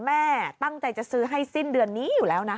แม่ตั้งใจจะซื้อให้สิ้นเดือนนี้อยู่แล้วนะ